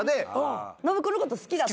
信子のこと好きだって。